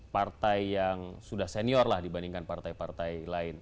partai yang sudah senior lah dibandingkan partai partai lain